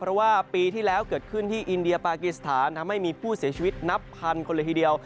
เพราะว่าปีที่แล้วเกิดขึ้นที่อินเดียปากีสถานทำให้มีผู้เสียชีวิตนับพันคนเลยทีเดียว